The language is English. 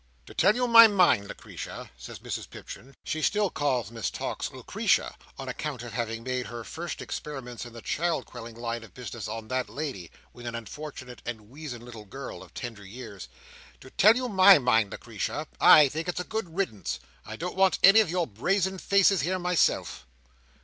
"To tell you my mind, Lucretia," says Mrs Pipchin; she still calls Miss Tox Lucretia, on account of having made her first experiments in the child quelling line of business on that lady, when an unfortunate and weazen little girl of tender years; "to tell you my mind, Lucretia, I think it's a good riddance. I don't want any of your brazen faces here, myself!"